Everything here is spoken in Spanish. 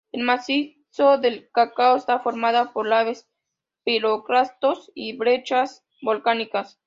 El macizo del Cacao está formado por lavas, piroclastos y brechas volcánicas.